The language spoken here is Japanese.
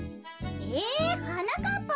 えはなかっぱ